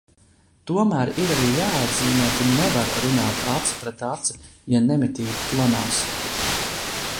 Tomēr ir arī jāatzīmē, ka nevar runāt aci pret aci, ja nemitīgi klanās.